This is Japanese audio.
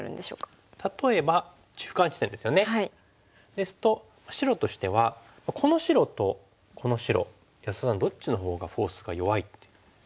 ですと白としてはこの白とこの白安田さんどっちのほうがフォースが弱いと思います？